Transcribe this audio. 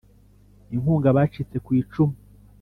Inkunga abacitse ku icumu